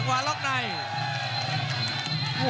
คมทุกลูกจริงครับโอ้โห